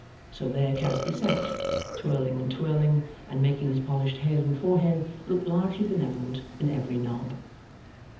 So there Casby sat, twirling and twirling, and making his polished head and forehead look largely benevolent in every knob.